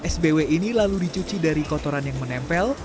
sbw ini lalu dicuci dari kotoran yang menempel